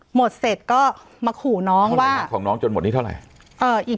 หมดเสร็จก็มาขู่น้องว่าของน้องจนหมดนี้เท่าไหร่